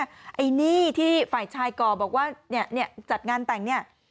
ไอ้หนี้ที่ฝ่ายชายก่อบอกว่าเนี่ยจัดงานแต่งเนี่ย